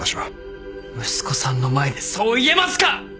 息子さんの前でそう言えますか！